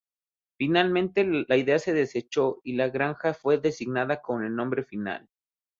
Finalmente, la idea se desechó y "La Granja" fue designado como el nombre final.